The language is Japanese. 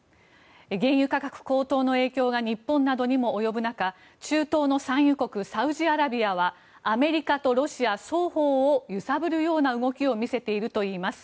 原油価格高騰の影響が日本などにも及ぶ中中東の産油国サウジアラビアはアメリカとロシア双方を揺さぶるような動きを見せているといいます。